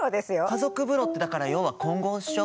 家族風呂ってだから要は混合っしょ？